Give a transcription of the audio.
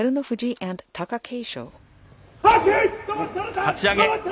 かち上げ。